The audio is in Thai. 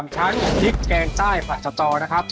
๓ชั้นทิ๊กแกร่งใต้ผละสตอนะครับ